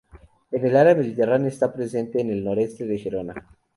En el área mediterránea está presente en el noreste de Gerona.